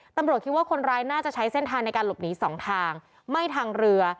ตำรวจคิดว่าคนร้ายน่าจะใช้เส้นทางในการหลบหนีสองทางไม่ทางเรือ